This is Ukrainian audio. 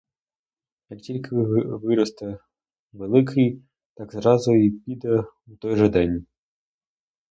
Як тільки виросте великий, так зразу й піде у той же день.